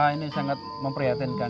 ini sangat memprihatinkan